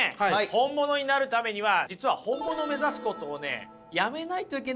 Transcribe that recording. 本物になるためには実は本物を目指すことをねやめないといけないんですよね。